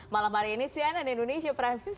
malam hari ini sian dan indonesia pravius